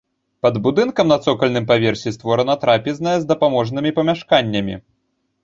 Пад будынкам на цокальным паверсе створана трапезная з дапаможнымі памяшканнямі.